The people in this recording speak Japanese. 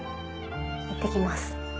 いってきます。